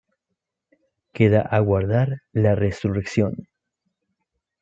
Queda aguardar la Resurrección.